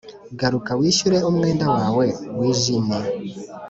garuka wishyure umwenda wawe wijimye. "